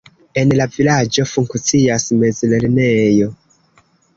En la vilaĝo funkcias mezlernejo.